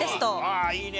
ああいいね！